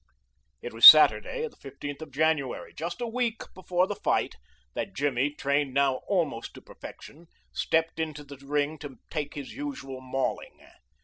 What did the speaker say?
It was Saturday, the 15th of January, just a week before the fight, that Jimmy, trained now almost to perfection, stepped into the ring to take his usual mauling.